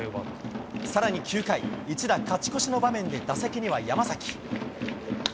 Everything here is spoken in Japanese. さらに９回、一打勝ち越しの場面で打席には山崎。